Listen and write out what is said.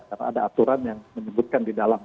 karena ada aturan yang menyebutkan di dalam